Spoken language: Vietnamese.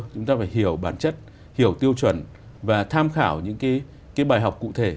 chúng ta phải hiểu bản chất hiểu tiêu chuẩn và tham khảo những cái bài học cụ thể